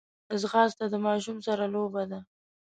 ځغاسته د ماشوم سره لوبه ده